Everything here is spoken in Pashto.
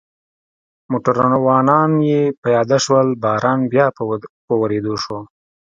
موټروانان یې پیاده شول، باران بیا په ورېدو شو.